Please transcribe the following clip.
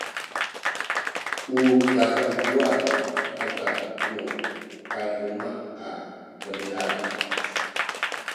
u kasaupuwan aca nu payluma’ a demiad